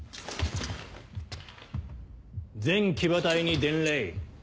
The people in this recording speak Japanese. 全騎馬隊に伝令。